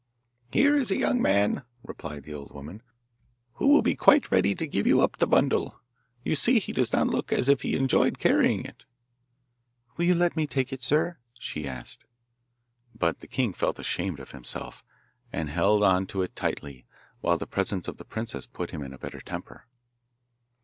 'Here is a young man,' replied the old woman, 'who will be quite ready to give you up the bundle. You see he does not look as if he enjoyed carrying it.' 'Will you let me take it, sir?' she asked. But the king felt ashamed of himself, and held on to it tightly, while the presence of the princess put him in a better temper.